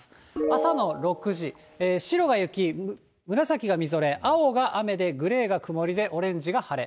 朝の６時、白が雪、紫がみぞれ、青が雨で、グレーが曇りでオレンジが晴れ。